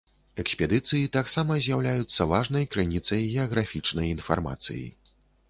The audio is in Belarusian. Экспедыцыі таксама з'яўляюцца важнай крыніцай геаграфічнай інфармацыі.